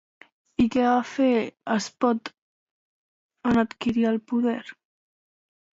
I què va fer, Espot, en adquirir el poder?